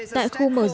tại khu môi trường